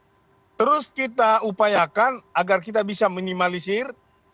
dan setelah itu kita harapkan agar kita bisa minimalisir